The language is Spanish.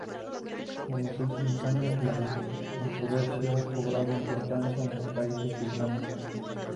En los últimos años, la controversia ha cobrado importancia en los países islámicos.